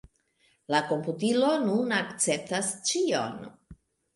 La komputilo nun akceptas ĉion.